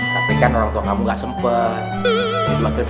tapi kan orang tuanya gak sempet